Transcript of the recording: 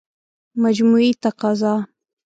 مجموعي تقاضا